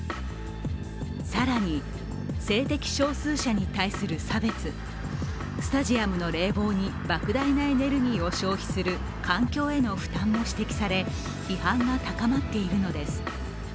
更に、性的少数者に対する差別スタジアムの冷房にばく大なエネルギーを消費する環境への負担も指摘され、批判が高まっているのです。